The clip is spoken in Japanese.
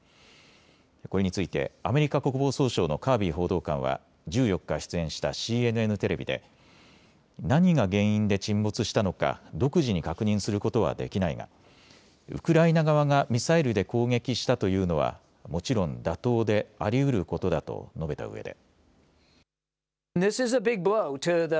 これについてアメリカ国防総省のカービー報道官は１４日、出演したＣＮＮテレビで何が原因で沈没したのか独自に確認することはできないがウクライナ側がミサイルで攻撃したというのはもちろん妥当で、ありうることだと述べたうえで。